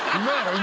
今。